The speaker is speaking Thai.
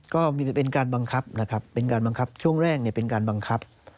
ก็เป็นการบังคับนะครับเป็นการบังคับช่วงแรกเป็นการบังคับ